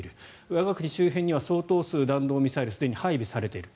我が国周辺には相当数弾道ミサイルがすでに配備されている。